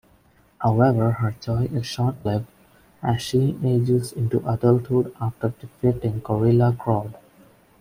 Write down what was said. However her joy is short-lived, as she ages into adulthood after defeating Gorilla Grodd.